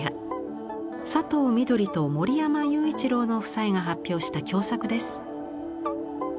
佐藤翠と守山友一朗の夫妻が発表した共作です。